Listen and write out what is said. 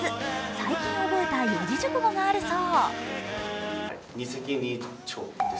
最近覚えた四字熟語があるそう。